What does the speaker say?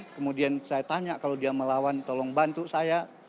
kemudian saya tanya kalau dia melawan tolong bantu saya